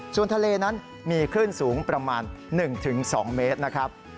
ส่วนทะเลนั้นมีคลื่นสูงประมาณ๑๒เมตรนะครับ